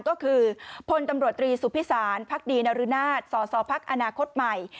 ก็คือพลตำรวจตรีสุภิษศาลพรรคดีนรุนาศศศพรรคอนาคตใหม่